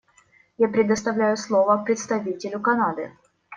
Я предоставляю слово представителю Канады.